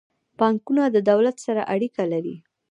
بانکونه د دولت سره څه اړیکه لري؟